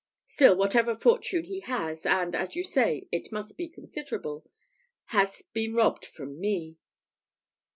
Still, whatever fortune he has, and, as you say, it must be considerable, has been robbed from me."